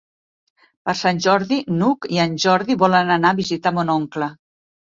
Per Sant Jordi n'Hug i en Jordi volen anar a visitar mon oncle.